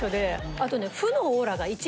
あとね。